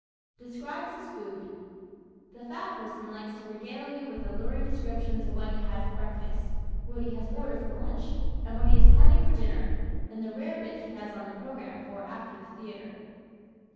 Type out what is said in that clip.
Describes His Food ¶ The fat person likes to regale you with alluring descriptions of what he had for breakfast, what he has ordered for lunch and what he is planning for dinner and the rarebit he has on the program for after the theater.